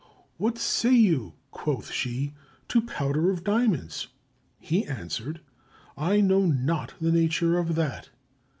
"What say you (quoth she) to powder of diamonds?" He answered, "I know not the nature of that."